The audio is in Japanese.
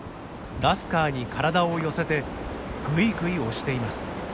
ラスカーに体を寄せてぐいぐい押しています。